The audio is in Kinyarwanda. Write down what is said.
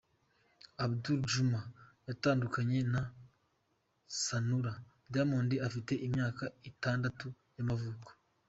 Abdul Juma yatandukanye na Sanura, Diamond afite imyaka itandatu y’amavuko.